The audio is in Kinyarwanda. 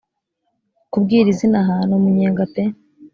kubwiriza ino aha ni umunyenga pe